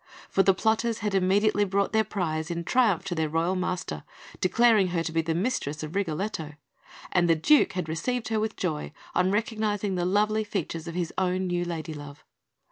For the plotters had immediately brought their prize in triumph to their royal master, declaring her to be the mistress of Rigoletto; and the Duke had received her with joy, on recognising the lovely features of his own new lady love.